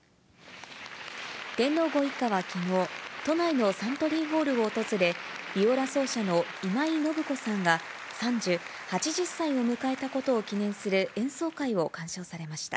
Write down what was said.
天皇ご一家はきのう、都内のサントリーホールを訪れ、ビオラ奏者の今井信子さんが傘寿、８０歳を迎えたことを記念する演奏会を鑑賞されました。